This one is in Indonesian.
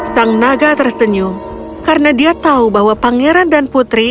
sang naga tersenyum karena dia tahu bahwa pangeran dan putri